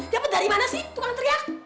dapat dari mana sih tukang teriak